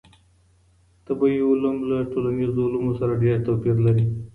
طبیعي علوم له ټولنیزو علومو سره ډېر توپیر لري.